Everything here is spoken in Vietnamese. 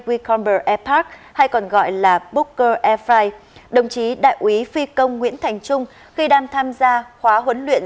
weecomber airpark hay còn gọi là booker airfly đồng chí đại ủy phi công nguyễn thành trung khi đang tham gia khóa huấn luyện